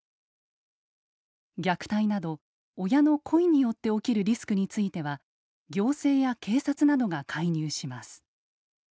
虐待など親の故意によって起きるリスクについては行政や警察などが介入します。